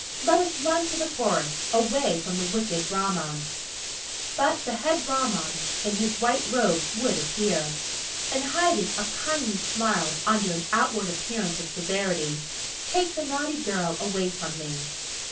Let us run to the forest, away from the wicked Brahmans!" But the head Brahman in his white robe would appear, and hiding a kindly smile under an outward appearance of severity, take the naughty girl away from me....